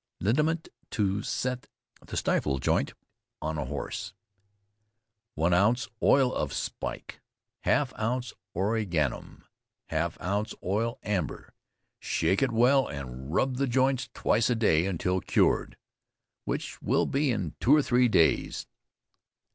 LINIMENT TO SET THE STIFLE JOINT ON A HORSE. One ounce oil of spike, half ounce origanum, half ounce oil amber. Shake it well and rub the joints twice a day until cured, which will be in two or three days.